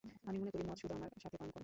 আমি মনে করছি মদ শুধু আমার সাথে পান করো!